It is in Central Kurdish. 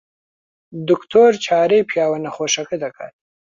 دکتۆر چارەی پیاوە نەخۆشەکە دەکات.